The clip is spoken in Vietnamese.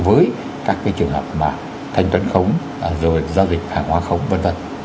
với các cái trường hợp mà thanh toán khống rồi giao dịch hàng hóa khống vân vân